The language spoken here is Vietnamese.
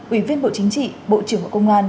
ủy viên bộ chính trị bộ trưởng bộ công an